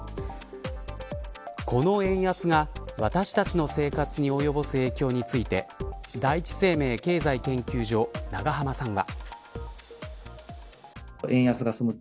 この円安が私たちの生活に及ぼす影響について第一生命経済研究所永濱さんは。